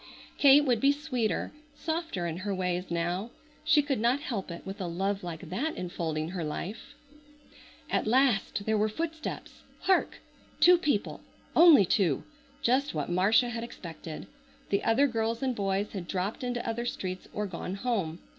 Kate would be sweeter, softer in her ways now. She could not help it with a love like that enfolding her life. At last there were footsteps! Hark! Two people—only two! Just what Marcia had expected. The other girls and boys had dropped into other streets or gone home.